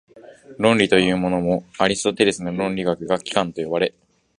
論理というものも、アリストテレスの論理学が「機関」（オルガノン）と呼ばれ、